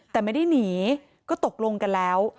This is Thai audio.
แต่ไม่ได้หนีก็ตกลงกันแล้ว